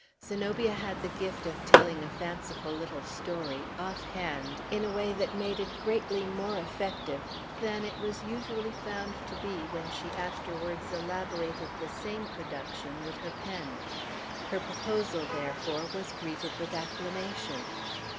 Zenobia had the gift of telling a fanciful little story, off hand, in a way that made it greatly more effective than it was usually found to be when she afterwards elaborated the same production with her pen. Her proposal, therefore, was greeted with acclamation.